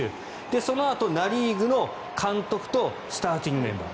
そのあと、ナ・リーグの、監督とスターティングメンバー。